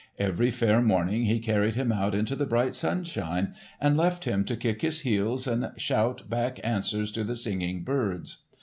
Every fair morning he carried him out into the bright sunshine and left him to kick his heels and shout back answers to the singing birds.